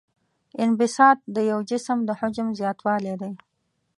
انبساط د یو جسم د حجم زیاتوالی دی.